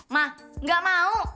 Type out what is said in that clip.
ma gak mau